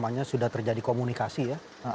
namanya sudah terjadi komunikasi ya